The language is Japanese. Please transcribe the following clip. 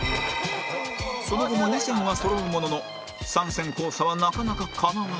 その後も２線はそろうものの３線交差はなかなかかなわず